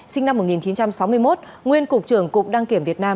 sinh năm một nghìn chín trăm sáu mươi một nguyên cục trưởng cục đăng kiểm việt nam